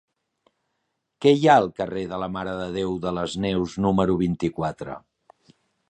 Què hi ha al carrer de la Mare de Déu de les Neus número vint-i-quatre?